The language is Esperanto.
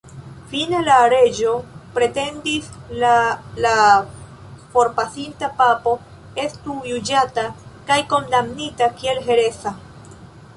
Fine la reĝo pretendis la la forpasinta papo estu juĝata kaj kondamnita kiel hereza.